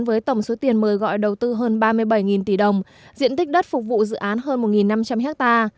với tổng số tiền mời gọi đầu tư hơn ba mươi bảy tỷ đồng diện tích đất phục vụ dự án hơn một năm trăm linh ha